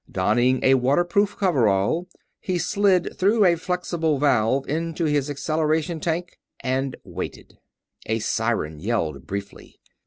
Donning a water proof coverall, he slid through a flexible valve into his acceleration tank and waited. A siren yelled briefly.